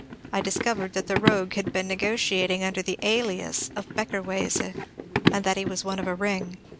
I discovered that the rogue had been negotiating under the alias of ^^ Beckerwaise," and that he was one of a ring.